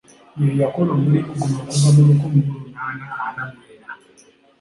Ye yakola omulimu guno okuva mu lukumi mu lunaana ana mu ena.